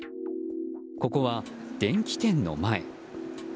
ここは電機店の前。